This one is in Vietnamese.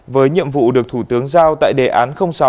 với nhiệm vụ được thủ tướng giao tại đề án sáu